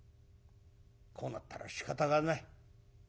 こうなったらしかたがない。